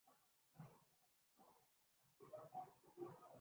بلکہ اس کا استعمال صرف تحقیقی اور سائنسی اعداد و شمار تک محدود تھا